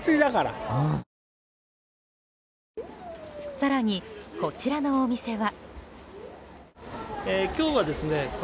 更に、こちらのお店は。